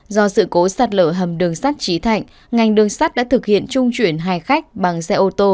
do sự cố sạt lở hầm đường sắt trí thạnh ngành đường sắt đã thực hiện trung chuyển hai khách bằng xe ô tô